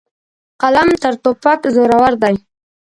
قلم تر توپک زورور دی.